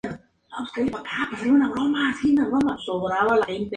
Una persona murió cuando su embarcación volcó en la Sonda de Long Island.